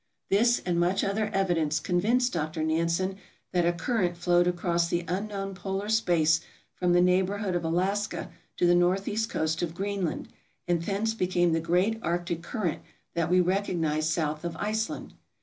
This and much other evidence convinced Dr. Nansen that a current flowed across the unknown polar space from the neigh borhood of Alaska to the northeast coast of Greenland, and thence became the great arctic current that we recognize south of Iceland.